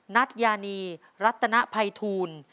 นัทยานีรัตนภัยทูล